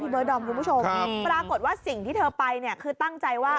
เบิร์ดดอมคุณผู้ชมปรากฏว่าสิ่งที่เธอไปเนี่ยคือตั้งใจว่า